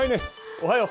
おはよう。